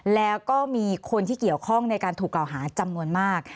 แล้วก็มีคนที่เกี่ยวข้องในการถูกกล่าวหาจำนวนมาก